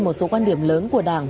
một số quan điểm lớn của đảng